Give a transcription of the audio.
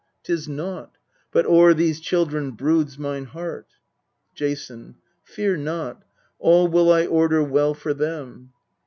Tis naught : but o'er these children broods mine heart. Jason. Fear not : all will I order well for them.